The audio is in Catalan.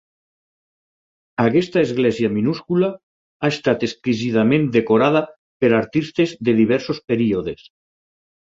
Aquesta església minúscula ha estat exquisidament decorada per artistes de diversos períodes.